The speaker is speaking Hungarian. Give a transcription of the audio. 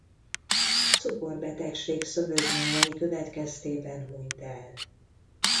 Cukorbetegség szövődményei következtében hunyt el.